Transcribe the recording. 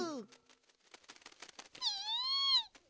ピ？